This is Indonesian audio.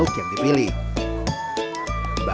tidak ada yang bisa dikawal